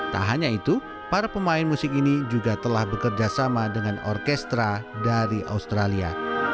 tak hanya itu para pemain musik ini juga telah bekerjasama dengan orkestra dari australia